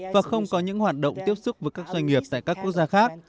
và không có những hoạt động tiếp xúc với các doanh nghiệp tại các quốc gia khác